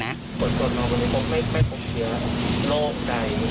คนตัวน้องก็เลยบอกไม่ปรุงเชื้อโล่งใจ